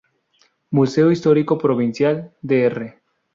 Museo Histórico Provincial “Dr.